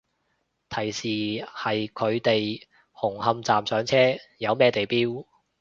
提示係佢哋紅磡站上車，有咩地標